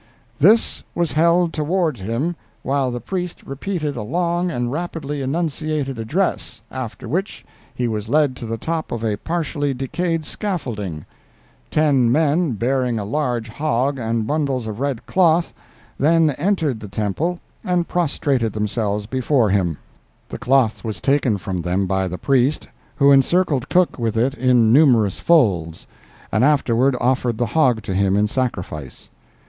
"This was held toward him while the priest repeated a long and rapidly enunciated address, after which he was led to the top of a partially decayed scaffolding. Ten men, bearing a large hog and bundles of red cloth, then entered the temple and prostrated themselves before him. The cloth was taken from them by the priest, who encircled Cook with it in numerous folds, and afterward offered the hog to him in sacrifice.